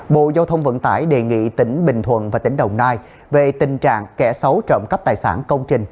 bộ giao thông vận tải đề nghị tỉnh bình thuận và tỉnh đồng nai về tình trạng kẻ xấu trộm cắp tài sản công trình